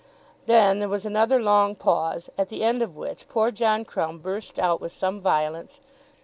Then there was another long pause, at the end of which poor John Crumb burst out with some violence.